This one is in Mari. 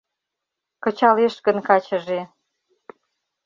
Кычалеш гын качыже